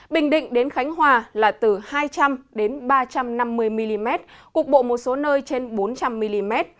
bình định đến khánh hòa là từ hai trăm linh ba trăm năm mươi mm cục bộ một số nơi trên bốn trăm linh mm